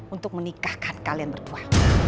untuk menikahkan kalian berdua